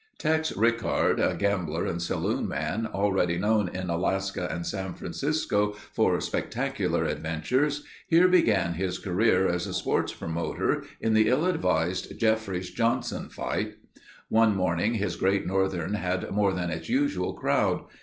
Tex Rickard, a gambler and saloon man, already known in Alaska and San Francisco for spectacular adventures, here began his career as a sports promoter in the ill advised Jeffries Johnson fight. One morning his Great Northern had more than its usual crowd.